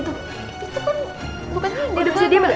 itu kan bukan diadopsi dia